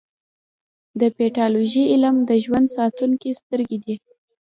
د پیتالوژي علم د ژوند ساتونکې سترګې دي.